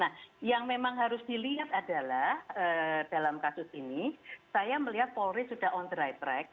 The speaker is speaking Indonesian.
jadi yang memang harus dilihat adalah dalam kasus ini saya melihat polri sudah on dry track